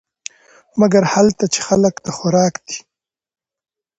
مګر هلته چې خلک د خوراک دي .